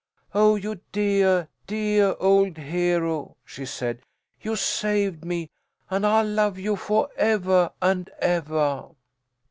"Oh, you deah, deah old Hero," she said. "You saved me, and I'll love you fo' evah and evah!"